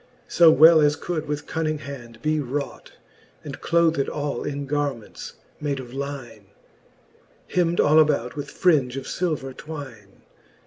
So well as could with cunning hand be wrought, And clothed all in garments made of line, Hemd all about with fringe of filver twine.